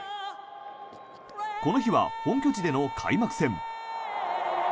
この日は本拠地での開幕戦。